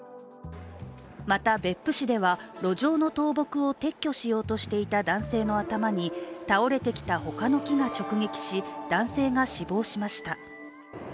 また、別府市では路上の倒木を撤去しようとしていた男性の頭に倒れてきた他の木が直撃し、男性が死亡しました。